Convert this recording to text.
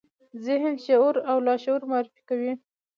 ذهن، شعور او لاشعور معرفي کوي.